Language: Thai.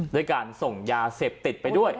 ด้วยการส่งยาเสพติดไปด้วย